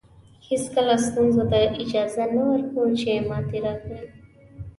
هېڅکله ستونزو ته اجازه نه ورکوو چې ماتې راکړي.